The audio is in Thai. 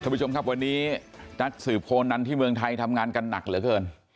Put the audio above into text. ผู้ชมครับวันนี้นักสืบโคนันที่เมืองไทยทำงานกันหนักเหลือเกิน